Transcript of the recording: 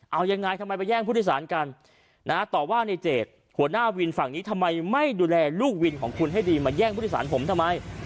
เอายังไงทำไมไปแย่งผู้โดยสารกันต่อว่าในเจดหัวหน้าวินฝั่งนี้ทำไมไม่ดูแลลูกวินของคุณให้ดีมาแย่งผู้โดยสารผมทำไม